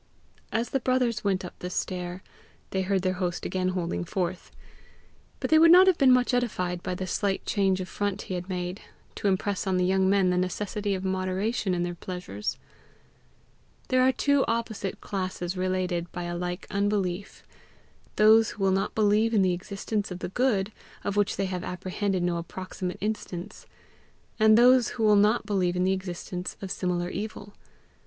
As the brothers went up the stair, they heard their host again holding forth; but they would not have been much edified by the slight change of front he had made to impress on the young men the necessity of moderation in their pleasures. There are two opposite classes related by a like unbelief those who will not believe in the existence of the good of which they have apprehended no approximate instance, and those who will not believe in the existence of similar evil.